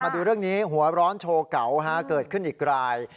ดูเรื่องนี้หัวร้อนโชว์เก่าเกิดขึ้นอีกราย